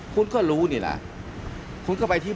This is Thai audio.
ท่านก็ให้เกียรติผมท่านก็ให้เกียรติผม